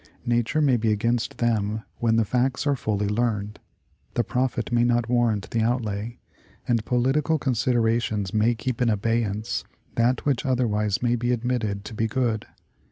Nature may be against them when the facts are fully learned, the profit may not warrant the outlay, and political considerations may keep in abeyance that which otherwise may be admitted to be good.